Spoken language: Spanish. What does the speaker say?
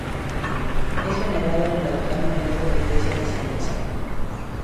Es venerada en el altar mayor de la Iglesia de San Lázaro.